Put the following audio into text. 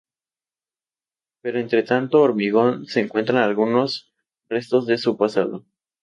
Pero entre tanto hormigón se encuentran algunos restos de su pasado.